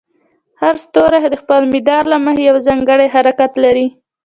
هر ستوری د خپل مدار له مخې یو ځانګړی حرکت لري.